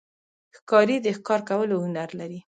ښکاري د ښکار کولو هنر لري.